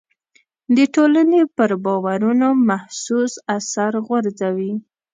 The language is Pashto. د ټولنې پر باورونو محسوس اثر غورځوي.